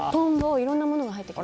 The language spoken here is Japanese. いろんなものが入ってきて。